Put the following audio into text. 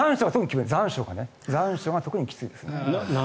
残暑が特にきついですね。